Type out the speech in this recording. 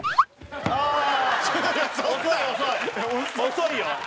遅いよ！